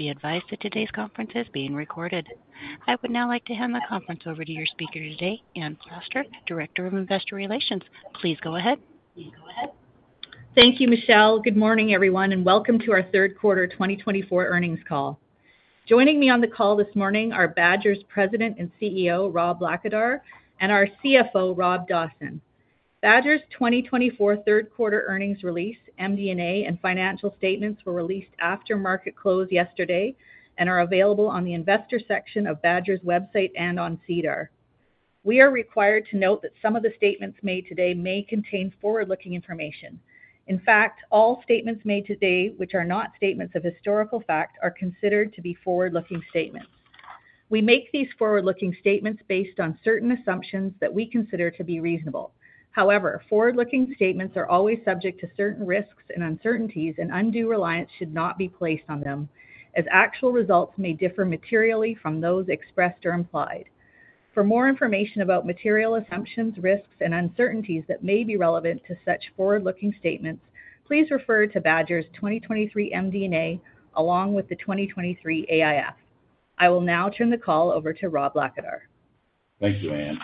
Please be advised that today's conference is being recorded. I would now like to hand the conference over to your speaker today, Anne Plaster, Director of Investor Relations. Please go ahead. Thank you, Michelle. Good morning, everyone, and welcome to our third quarter 2024 earnings call. Joining me on the call this morning are Badger's President and CEO, Rob Blackadar, and our CFO, Rob Dawson. Badger's 2024 third quarter earnings release, MD&A, and financial statements were released after market close yesterday and are available on the investor section of Badger's website and on SEDAR+. We are required to note that some of the statements made today may contain forward-looking information. In fact, all statements made today which are not statements of historical fact are considered to be forward-looking statements. We make these forward-looking statements based on certain assumptions that we consider to be reasonable. However, forward-looking statements are always subject to certain risks and uncertainties, and undue reliance should not be placed on them, as actual results may differ materially from those expressed or implied. For more information about material assumptions, risks, and uncertainties that may be relevant to such forward-looking statements, please refer to Badger's 2023 MD&A along with the 2023 AIF. I will now turn the call over to Rob Blackadar. Thank you, Anne.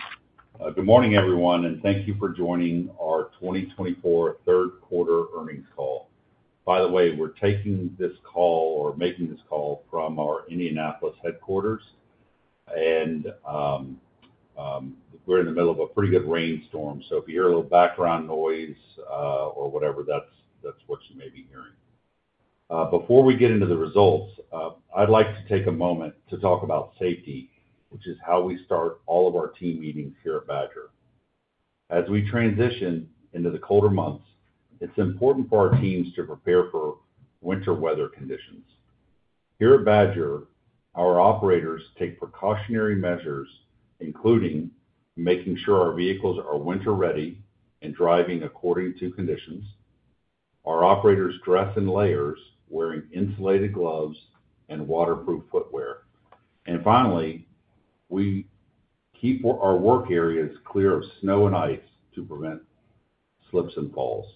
Good morning, everyone, and thank you for joining our 2024 third quarter earnings call. By the way, we're taking this call or making this call from our Indianapolis headquarters, and we're in the middle of a pretty good rainstorm, so if you hear a little background noise or whatever, that's what you may be hearing. Before we get into the results, I'd like to take a moment to talk about safety, which is how we start all of our team meetings here at Badger. As we transition into the colder months, it's important for our teams to prepare for winter weather conditions. Here at Badger, our operators take precautionary measures, including making sure our vehicles are winter-ready and driving according to conditions. Our operators dress in layers, wearing insulated gloves and waterproof footwear. Finally, we keep our work areas clear of snow and ice to prevent slips and falls.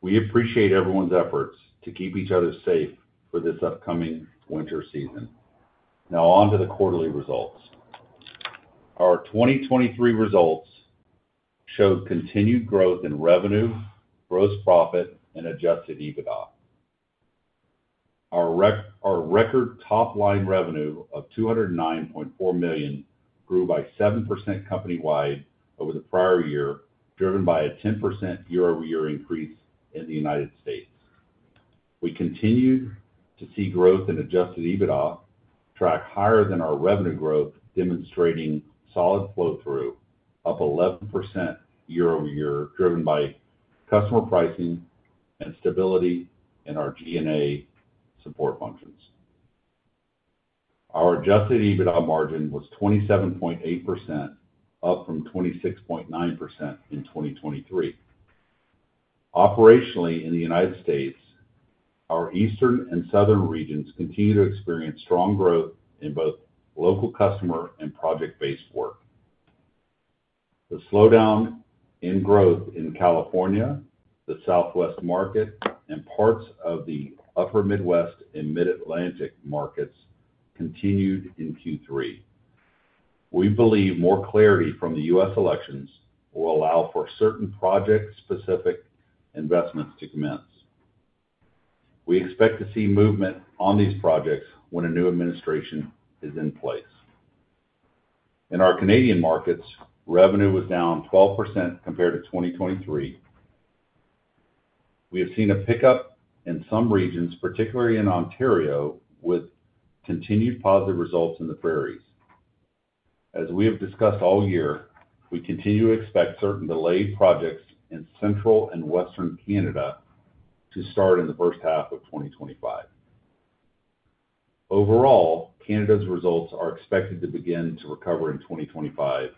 We appreciate everyone's efforts to keep each other safe for this upcoming winter season. Now, on to the quarterly results. Our 2023 results showed continued growth in revenue, gross profit, and adjusted EBITDA. Our record top-line revenue of 209.4 million grew by 7% company-wide over the prior year, driven by a 10% year-over-year increase in the United States. We continued to see growth in adjusted EBITDA track higher than our revenue growth, demonstrating solid flow-through, up 11% year-over-year, driven by customer pricing and stability in our G&A support functions. Our adjusted EBITDA margin was 27.8%, up from 26.9% in 2023. Operationally, in the United States, our eastern and southern regions continue to experience strong growth in both local customer and project-based work. The slowdown in growth in California, the Southwest market, and parts of the Upper Midwest and Mid-Atlantic markets continued in Q3. We believe more clarity from the U.S. elections will allow for certain project-specific investments to commence. We expect to see movement on these projects when a new administration is in place. In our Canadian markets, revenue was down 12% compared to 2023. We have seen a pickup in some regions, particularly in Ontario, with continued positive results in the Prairies. As we have discussed all year, we continue to expect certain delayed projects in Central and Western Canada to start in the first half of 2025. Overall, Canada's results are expected to begin to recover in 2025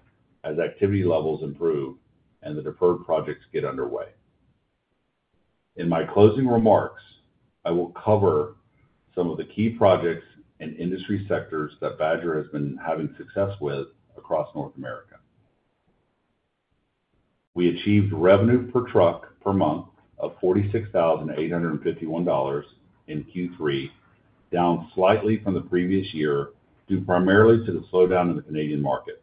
as activity levels improve and the deferred projects get underway. In my closing remarks, I will cover some of the key projects and industry sectors that Badger has been having success with across North America. We achieved revenue per truck per month of $46,851 in Q3, down slightly from the previous year due primarily to the slowdown in the Canadian market.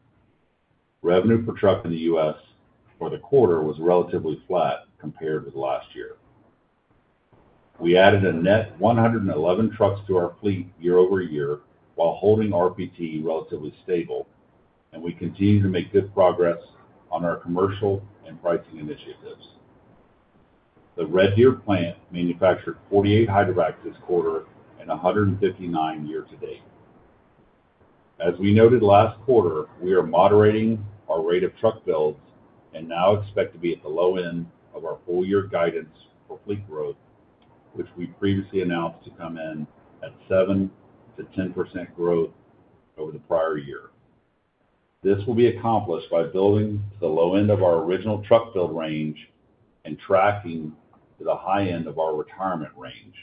Revenue per truck in the U.S. for the quarter was relatively flat compared with last year. We added a net 111 trucks to our fleet year-over-year while holding RPT relatively stable, and we continue to make good progress on our commercial and pricing initiatives. The Red Deer plant manufactured 48 hydrovacs this quarter and 159 year-to-date. As we noted last quarter, we are moderating our rate of truck builds and now expect to be at the low end of our full-year guidance for fleet growth, which we previously announced to come in at 7%-10% growth over the prior year. This will be accomplished by building to the low end of our original truck build range and tracking to the high end of our retirement range.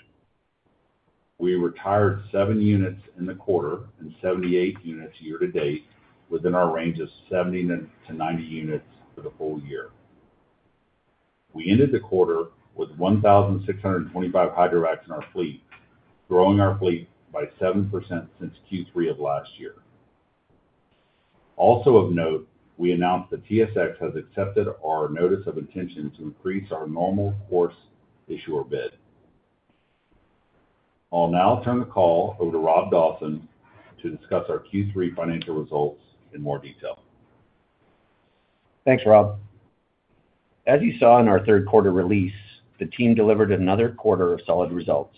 We retired seven units in the quarter and 78 units year-to-date within our range of 70-90 units for the full year. We ended the quarter with 1,625 hydrovacs in our fleet, growing our fleet by 7% since Q3 of last year. Also of note, we announced that TSX has accepted our notice of intention to increase our normal course issuer bid. I'll now turn the call over to Rob Dawson to discuss our Q3 financial results in more detail. Thanks, Rob. As you saw in our third quarter release, the team delivered another quarter of solid results.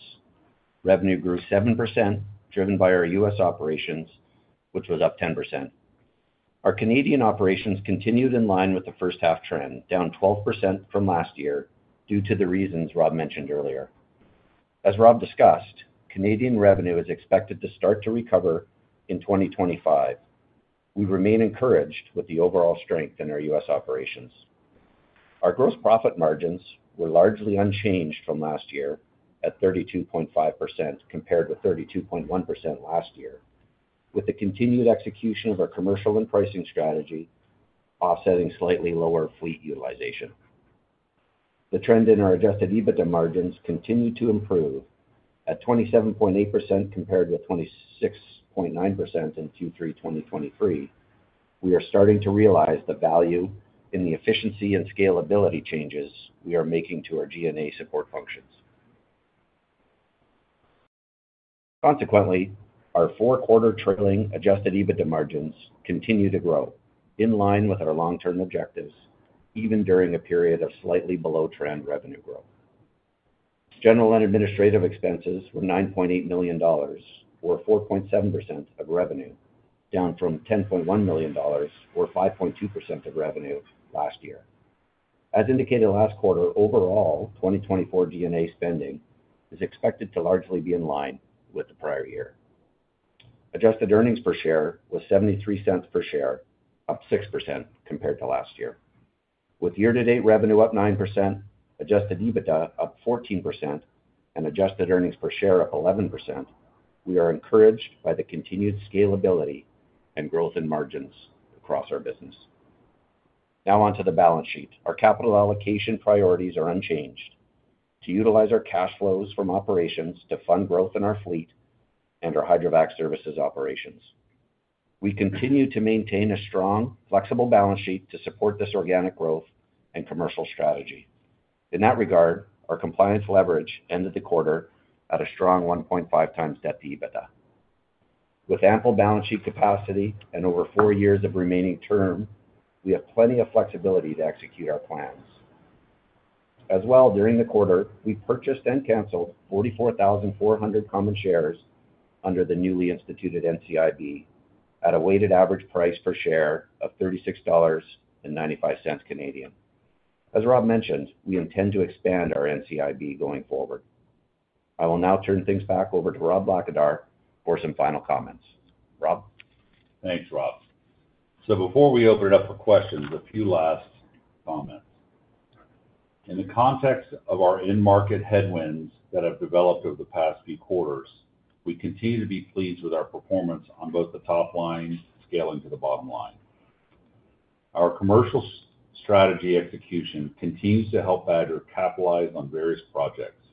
Revenue grew 7%, driven by our U.S. operations, which was up 10%. Our Canadian operations continued in line with the first-half trend, down 12% from last year due to the reasons Rob mentioned earlier. As Rob discussed, Canadian revenue is expected to start to recover in 2025. We remain encouraged with the overall strength in our U.S. operations. Our gross profit margins were largely unchanged from last year at 32.5% compared with 32.1% last year, with the continued execution of our commercial and pricing strategy offsetting slightly lower fleet utilization. The trend in our adjusted EBITDA margins continued to improve at 27.8% compared with 26.9% in Q3 2023. We are starting to realize the value in the efficiency and scalability changes we are making to our G&A support functions. Consequently, our four-quarter trailing adjusted EBITDA margins continue to grow in line with our long-term objectives, even during a period of slightly below-trend revenue growth. General and administrative expenses were 9.8 million dollars, or 4.7% of revenue, down from 10.1 million dollars, or 5.2% of revenue last year. As indicated last quarter, overall 2024 G&A spending is expected to largely be in line with the prior year. Adjusted earnings per share was 0.73 per share, up 6% compared to last year. With year-to-date revenue up 9%, adjusted EBITDA up 14%, and adjusted earnings per share up 11%, we are encouraged by the continued scalability and growth in margins across our business. Now on to the balance sheet. Our capital allocation priorities are unchanged to utilize our cash flows from operations to fund growth in our fleet and our hydrovac services operations. We continue to maintain a strong, flexible balance sheet to support this organic growth and commercial strategy. In that regard, our compliance leverage ended the quarter at a strong 1.5 times debt to EBITDA. With ample balance sheet capacity and over four years of remaining term, we have plenty of flexibility to execute our plans. As well, during the quarter, we purchased and canceled 44,400 common shares under the newly instituted NCIB at a weighted average price per share of 36.95 Canadian dollars. As Rob mentioned, we intend to expand our NCIB going forward. I will now turn things back over to Rob Blackadar for some final comments. Rob? Thanks, Rob. Before we open it up for questions, a few last comments. In the context of our in-market headwinds that have developed over the past few quarters, we continue to be pleased with our performance on both the top line scaling to the bottom line. Our commercial strategy execution continues to help Badger capitalize on various projects,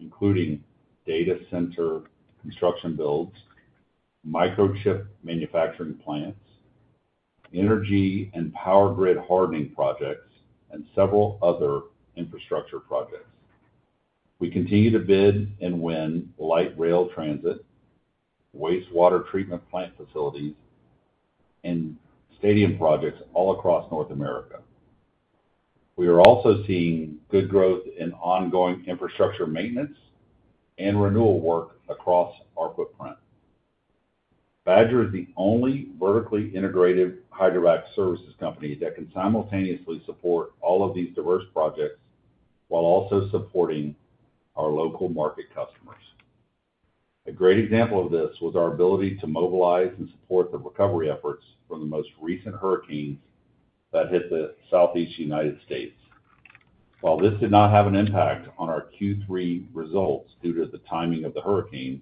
including data center construction builds, microchip manufacturing plants, energy and power grid hardening projects, and several other infrastructure projects. We continue to bid and win light rail transit, wastewater treatment plant facilities, and stadium projects all across North America. We are also seeing good growth in ongoing infrastructure maintenance and renewal work across our footprint. Badger is the only vertically integrated hydrovac services company that can simultaneously support all of these diverse projects while also supporting our local market customers. A great example of this was our ability to mobilize and support the recovery efforts from the most recent hurricanes that hit the Southeast United States. While this did not have an impact on our Q3 results due to the timing of the hurricanes,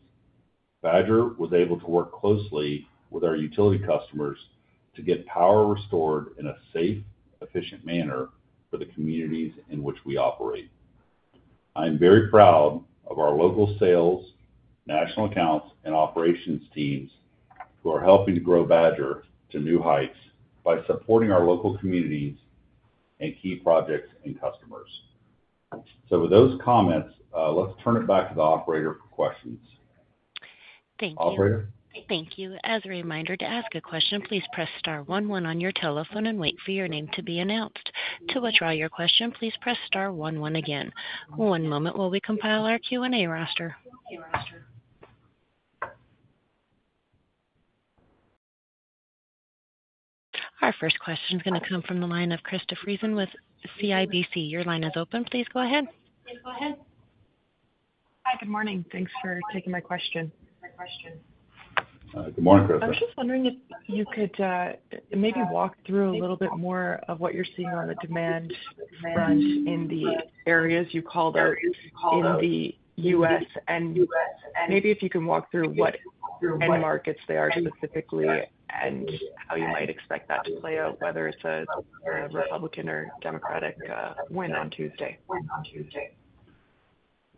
Badger was able to work closely with our utility customers to get power restored in a safe, efficient manner for the communities in which we operate. I am very proud of our local sales, national accounts, and operations teams who are helping to grow Badger to new heights by supporting our local communities and key projects and customers. So with those comments, let's turn it back to the operator for questions. Thank you. Operator? Thank you. As a reminder, to ask a question, please press star 11 on your telephone and wait for your name to be announced. To withdraw your question, please press star 11 again. One moment while we compile our Q&A roster. Our first question is going to come from the line of Chris Gunn with CIBC. Your line is open. Please go ahead. Yes, go ahead. Hi, good morning. Thanks for taking my question. Good morning, Chris. I was just wondering if you could maybe walk through a little bit more of what you're seeing on the demand front in the areas you called out in the U.S. and maybe if you can walk through what end markets they are specifically and how you might expect that to play out, whether it's a Republican or Democratic win on Tuesday.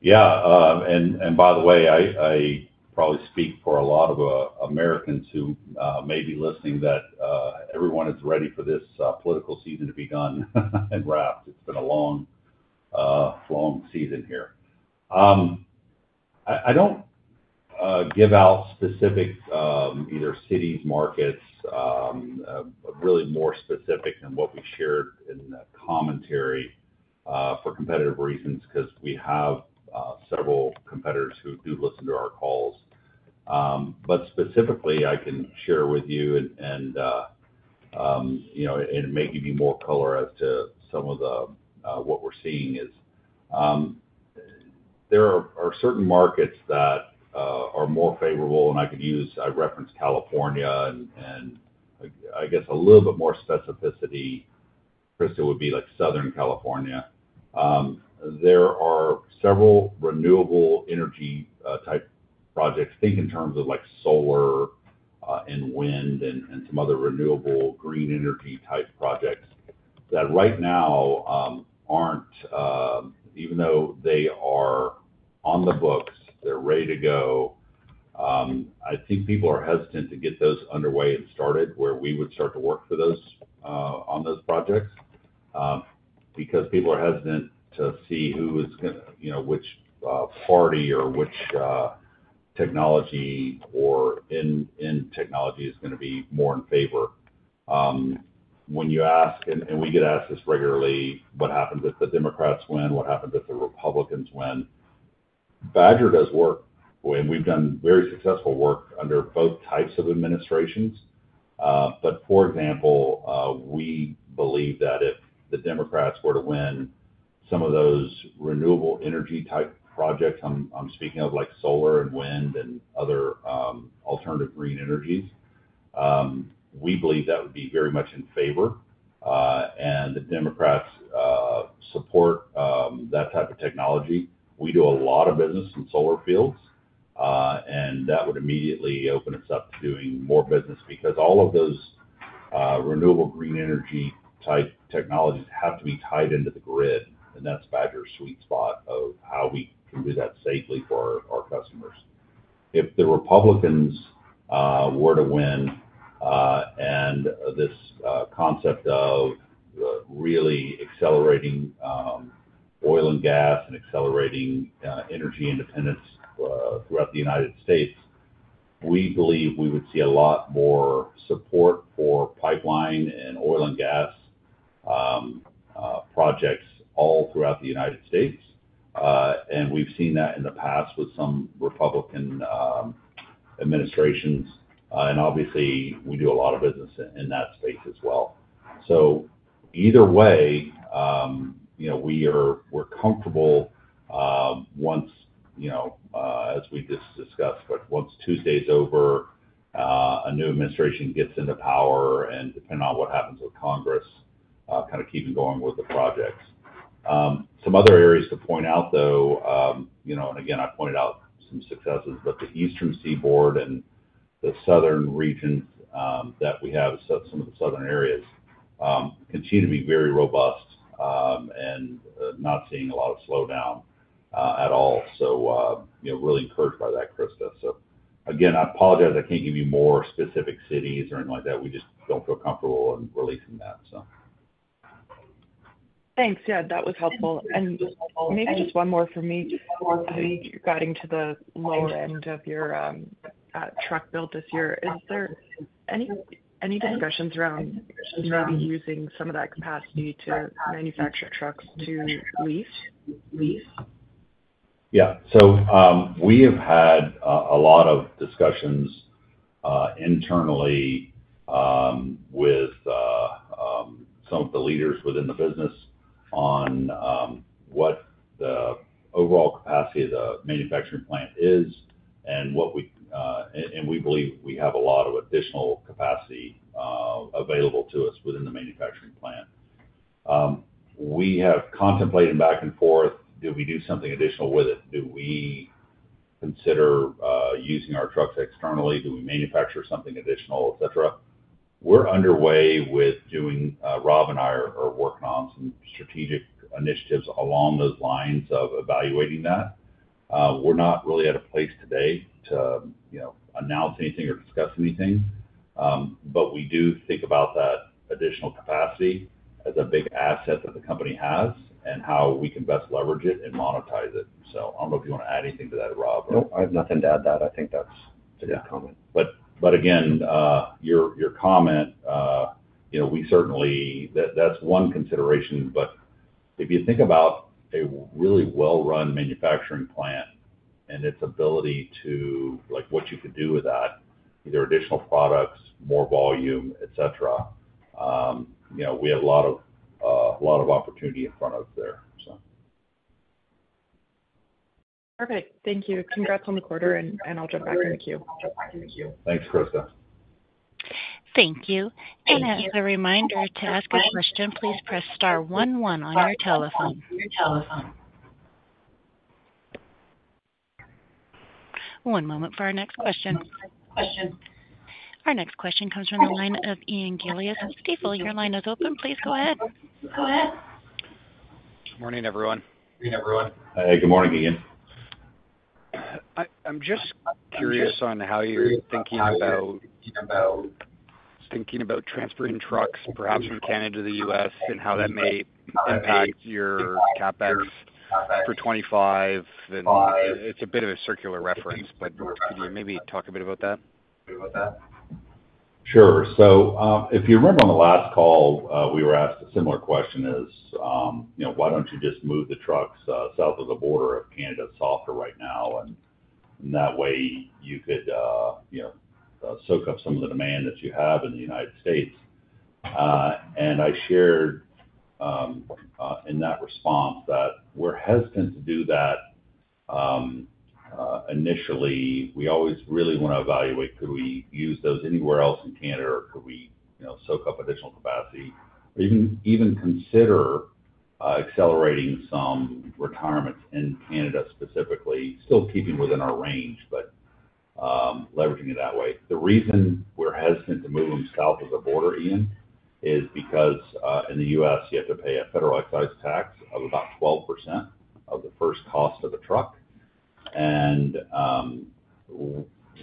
Yeah. And by the way, I probably speak for a lot of Americans who may be listening that everyone is ready for this political season to be done and wrapped. It's been a long, long season here. I don't give out specific either cities, markets, really more specific than what we shared in commentary for competitive reasons because we have several competitors who do listen to our calls. But specifically, I can share with you and may give you more color as to some of what we're seeing is there are certain markets that are more favorable, and I could use I referenced California and I guess a little bit more specificity, Christopher, would be like Southern California. There are several renewable energy type projects, think in terms of solar and wind and some other renewable green energy type projects that right now aren't, even though they are on the books, they're ready to go. I think people are hesitant to get those underway and started where we would start to work for those on those projects because people are hesitant to see who is going to which party or which technology or end technology is going to be more in favor. When you ask, and we get asked this regularly, what happens if the Democrats win? What happens if the Republicans win? Badger does work, and we've done very successful work under both types of administrations. But for example, we believe that if the Democrats were to win some of those renewable energy type projects, I'm speaking of like solar and wind and other alternative green energies, we believe that would be very much in favor. And the Democrats support that type of technology. We do a lot of business in solar fields, and that would immediately open us up to doing more business because all of those renewable green energy type technologies have to be tied into the grid, and that's Badger's sweet spot of how we can do that safely for our customers. If the Republicans were to win and this concept of really accelerating oil and gas and accelerating energy independence throughout the United States, we believe we would see a lot more support for pipeline and oil and gas projects all throughout the United States. And we've seen that in the past with some Republican administrations, and obviously, we do a lot of business in that space as well. So either way, we're comfortable once, as we just discussed, but once Tuesday's over, a new administration gets into power, and depending on what happens with Congress, kind of keeping going with the projects. Some other areas to point out, though, and again, I pointed out some successes, but the Eastern Seaboard and the southern regions that we have, some of the southern areas, continue to be very robust and not seeing a lot of slowdown at all. So really encouraged by that, Christopher. So again, I apologize. I can't give you more specific cities or anything like that. We just don't feel comfortable in releasing that, so. Thanks. Yeah, that was helpful. And maybe just one more for me. I think you're guiding to the lower end of your truck build this year. Is there any discussions around maybe using some of that capacity to manufacture trucks to lease? Yeah. So we have had a lot of discussions internally with some of the leaders within the business on what the overall capacity of the manufacturing plant is and what we believe we have a lot of additional capacity available to us within the manufacturing plant. We have contemplated back and forth. Do we do something additional with it? Do we consider using our trucks externally? Do we manufacture something additional, etc.? We're underway with doing. Rob and I are working on some strategic initiatives along those lines of evaluating that. We're not really at a place today to announce anything or discuss anything, but we do think about that additional capacity as a big asset that the company has and how we can best leverage it and monetize it. So I don't know if you want to add anything to that, Rob, or. No, I have nothing to add to that. I think that's a good comment. But again, your comment. We certainly, that's one consideration, but if you think about a really well-run manufacturing plant and its ability to what you could do with that, either additional products, more volume, etc. We have a lot of opportunity in front of us there, so. Perfect. Thank you. Congrats on the quarter, and I'll jump back into Q. Thank you. Thanks, Chris. Thank you. And as a reminder, to ask a question, please press star 11 on your telephone. One moment for our next question. Our next question comes from the line of Ian Gillies. Ian, your line is open. Please go ahead. Good morning, everyone. Good morning, everyone. Hey, good morning again. I'm just curious on how you're thinking about thinking about transferring trucks, perhaps from Canada to the U.S., and how that may impact your CapEx for 2025? And it's a bit of a circular reference, but could you maybe talk a bit about that? Sure. So if you remember on the last call, we were asked a similar question as, "Why don't you just move the trucks south of the border, Canada softer right now?" And that way, you could soak up some of the demand that you have in the United States. And I shared in that response that we're hesitant to do that initially. We always really want to evaluate, could we use those anywhere else in Canada, or could we soak up additional capacity, or even consider accelerating some retirements in Canada specifically, still keeping within our range, but leveraging it that way. The reason we're hesitant to move them south of the border, Ian, is because in the U.S., you have to pay a federal excise tax of about 12% of the first cost of the truck.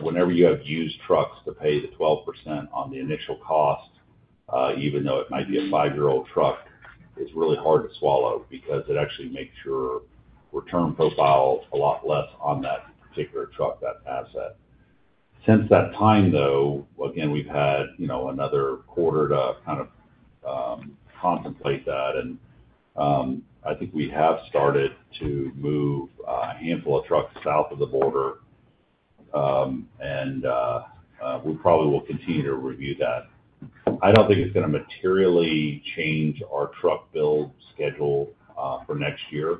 Whenever you have used trucks to pay the 12% on the initial cost, even though it might be a five-year-old truck, it's really hard to swallow because it actually makes your return profile a lot less on that particular truck, that asset. Since that time, though, again, we've had another quarter to kind of contemplate that. I think we have started to move a handful of trucks south of the border, and we probably will continue to review that. I don't think it's going to materially change our truck build schedule for next year.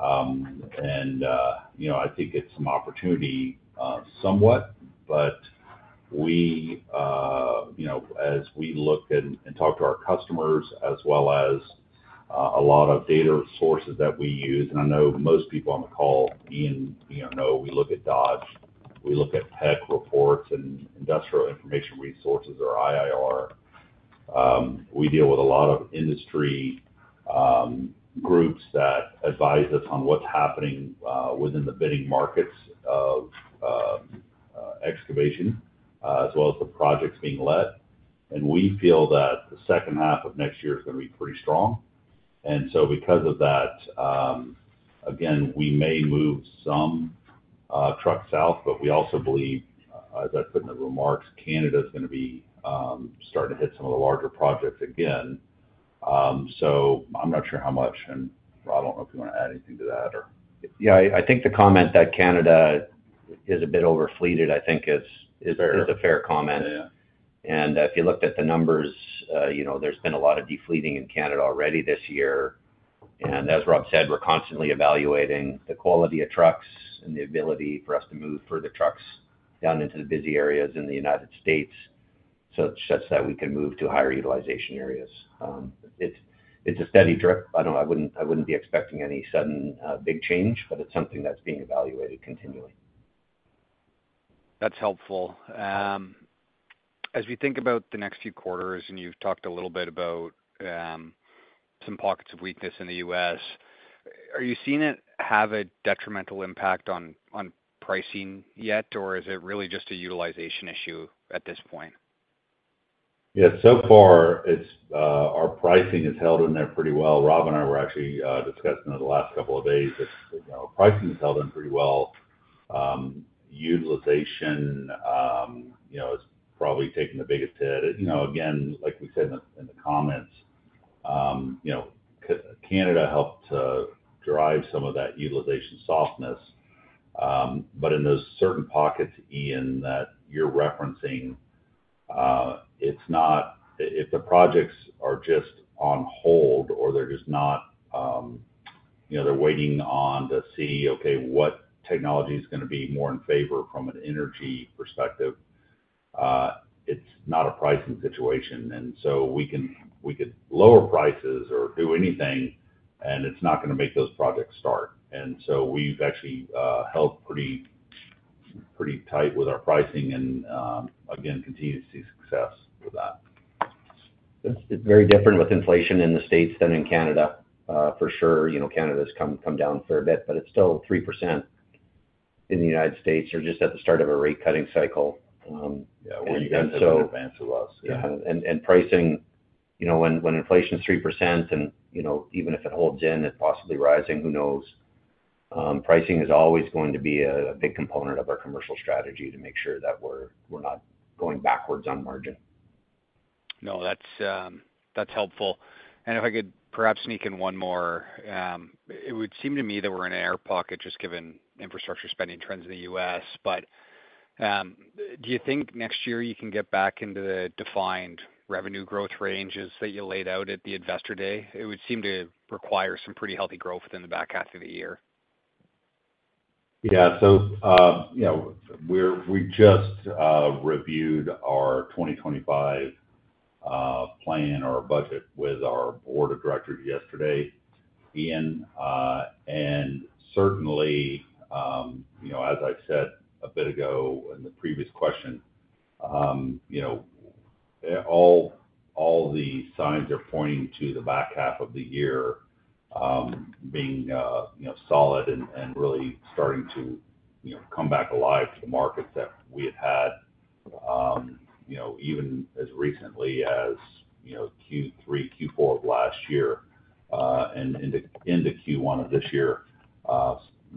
I think it's some opportunity somewhat, but as we look and talk to our customers, as well as a lot of data sources that we use, and I know most people on the call, Ian, know we look at Dodge, we look at PEC Reports and Industrial Info Resources, or IIR. We deal with a lot of industry groups that advise us on what's happening within the bidding markets of excavation, as well as the projects being led. And we feel that the second half of next year is going to be pretty strong. And so because of that, again, we may move some trucks south, but we also believe, as I put in the remarks, Canada is going to be starting to hit some of the larger projects again. So I'm not sure how much, and Rob, I don't know if you want to add anything to that or. Yeah, I think the comment that Canada is a bit overfleeted, I think, is a fair comment. And if you looked at the numbers, there's been a lot of defleeting in Canada already this year. And as Rob said, we're constantly evaluating the quality of trucks and the ability for us to move further trucks down into the busy areas in the United States such that we can move to higher utilization areas. It's a steady drift. I wouldn't be expecting any sudden big change, but it's something that's being evaluated continually. That's helpful. As we think about the next few quarters, and you've talked a little bit about some pockets of weakness in the U.S., are you seeing it have a detrimental impact on pricing yet, or is it really just a utilization issue at this point? Yeah, so far, our pricing has held in there pretty well. Rob and I were actually discussing it the last couple of days. Pricing has held in pretty well. Utilization is probably taking the biggest hit. Again, like we said in the comments, Canada helped drive some of that utilization softness. But in those certain pockets, Ian, that you're referencing, if the projects are just on hold or they're just not, they're waiting on to see, okay, what technology is going to be more in favor from an energy perspective, it's not a pricing situation. And so we could lower prices or do anything, and it's not going to make those projects start. And so we've actually held pretty tight with our pricing and, again, continue to see success with that. It's very different with inflation in the States than in Canada, for sure. Canada's come down for a bit, but it's still 3% in the United States. They're just at the start of a rate-cutting cycle. Yeah, we're indefinitely advanced to us. Yeah. And pricing, when inflation's 3%, and even if it holds in and possibly rising, who knows? Pricing is always going to be a big component of our commercial strategy to make sure that we're not going backwards on margin. No, that's helpful, and if I could perhaps sneak in one more, it would seem to me that we're in an air pocket just given infrastructure spending trends in the U.S., but do you think next year you can get back into the defined revenue growth ranges that you laid out at the investor day? It would seem to require some pretty healthy growth within the back half of the year. Yeah. So we just reviewed our 2025 plan or budget with our board of directors yesterday, Ian. And certainly, as I said a bit ago in the previous question, all the signs are pointing to the back half of the year being solid and really starting to come back alive to the markets that we had had even as recently as Q3, Q4 of last year and into Q1 of this year,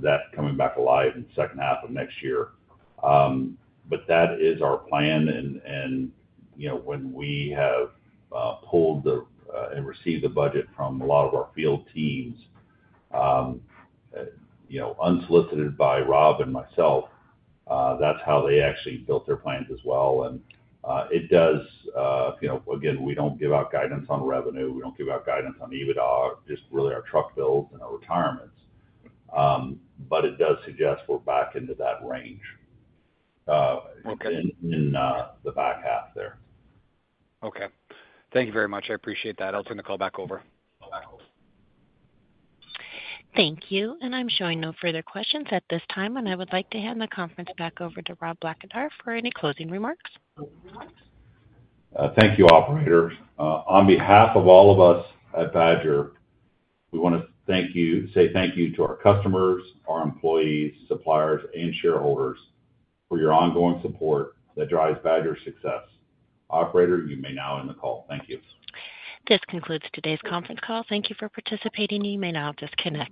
that coming back alive in the second half of next year. But that is our plan. And when we have pulled and received the budget from a lot of our field teams, unsolicited by Rob and myself, that's how they actually built their plans as well. And it does, again, we don't give out guidance on revenue. We don't give out guidance on EBITDA, just really our truck builds and our retirements. But it does suggest we're back into that range in the back half there. Okay. Thank you very much. I appreciate that. I'll turn the call back over. Thank you. And I'm showing no further questions at this time, and I would like to hand the conference back over to Rob Blackadar for any closing remarks. Thank you, Operator. On behalf of all of us at Badger, we want to say thank you to our customers, our employees, suppliers, and shareholders for your ongoing support that drives Badger's success. Operator, you may now end the call. Thank you. This concludes today's conference call. Thank you for participating. You may now disconnect.